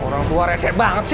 orang tua resep banget sih